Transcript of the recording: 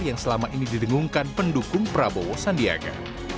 yang selama ini didengungkan pendukung prabowo sandiaga